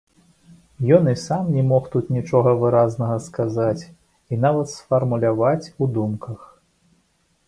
Ён і сам не мог тут нічога выразнага сказаць і нават сфармуляваць у думках.